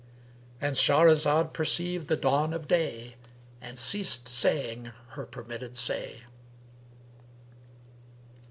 —And Shahrazad perceived the dawn of day and ceased saying her permitted say.